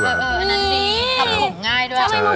ทำผมง่ายด้วย